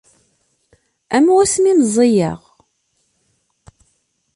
Am wasmi i meẓẓiyeɣ.